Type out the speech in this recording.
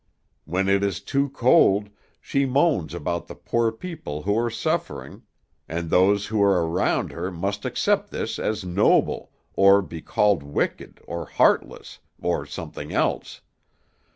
When it is too cold, she moans about the poor people who are suffering, and those who are around her must accept this as noble, or be called wicked, or heartless, or something else.